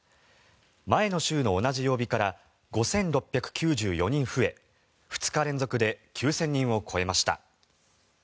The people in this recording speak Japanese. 前の週の同じ曜日から５６９４人増え２日連続で９０００人を超えました。